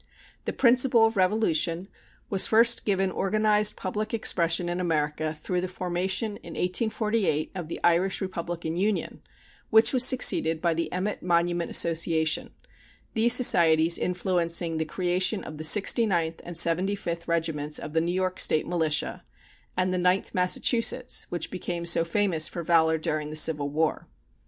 The principle of revolution was first given organized public expression in America through the formation in 1848 of the Irish Republican Union, which was succeeded by the Emmet Monument Association, these societies influencing the creation of the Sixty Ninth and Seventy Fifth Regiments of the New York State Militia, and the Ninth Massachusetts, which became so famous for valor during the Civil War.